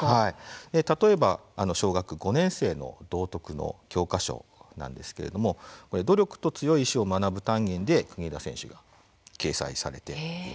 例えば、小学５年生の道徳の教科書なんですけれども努力と強い意志を学ぶ単元で国枝選手が掲載されています。